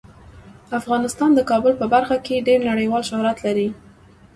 افغانستان د کابل په برخه کې ډیر نړیوال شهرت لري.